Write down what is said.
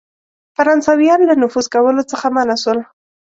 فرانسیویان له نفوذ کولو څخه منع سول.